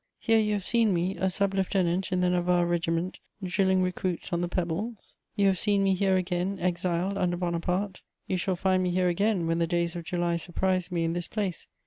Here you have seen me, a sub lieutenant in the Navarre Regiment, drilling recruits on the pebbles; you have seen me here again, exiled under Bonaparte; you shall find me here again when the days of July surprise me in this place.